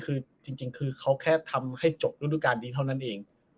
คือจริงเขาแค่ทำให้จบด้วยด้วยการดีเท่านั้นเอง